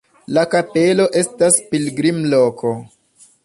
La kapelo estas pilgrimloko.